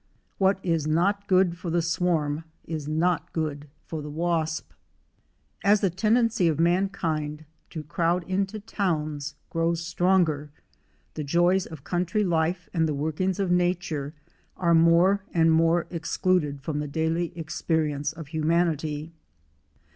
" What is not good for the swarm is not good for the wasp." A) the tendency of mankind to crowd into towns grows stronger the joys of country life and the workings of Nature are more and more excluded from the daily experience of humanity.